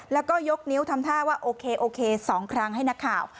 แล้วก็ยกนิ้วทำท่าว่าโอเคโอเค๒ครั้งให้นักข่าว